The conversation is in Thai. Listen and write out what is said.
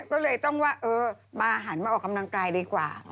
ก็เลยต้องว่าเออมาหันมาออกกำลังกายดีกว่า